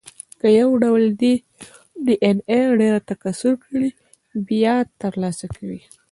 که یو ډول ډېایناې ډېره تکثر کړي، بریا ترلاسه کوي.